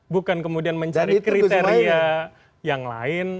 bukan kemudian mencari kriteria yang lain